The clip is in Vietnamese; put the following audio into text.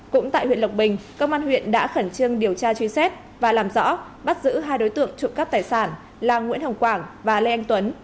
cũng tại huyện lộc bình công an huyện đã khẩn trương điều tra truy xét và làm rõ bắt giữ hai đối tượng trộm cắp tài sản là nguyễn hồng quảng và lê anh tuấn